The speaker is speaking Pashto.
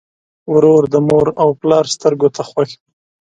ورور د مور او پلار سترګو ته خوښ وي.